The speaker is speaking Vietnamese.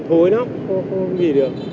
cái nóc không gì được